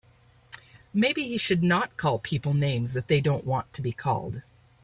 Maybe he should not call people names that they don't want to be called.